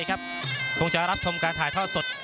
คงจะรับช่วงการไถ่เท่าสด